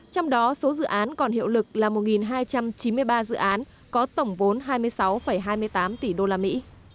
trong đó số dự án còn hiệu lực là một hai trăm chín mươi ba dự án có tổng vốn hai mươi sáu hai mươi tám tỷ đô la mỹ